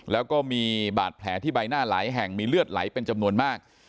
แล้วก็มีบาดแผลที่ใบหน้าหลายแห่งมีเลือดไหลเป็นจำนวนมาก